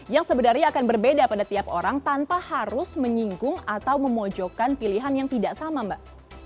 yang sebenarnya akan berbeda pada tiap orang tanpa harus menyinggung atau memojokkan pilihan yang tidak sama mbak